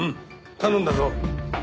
頼んだぞ。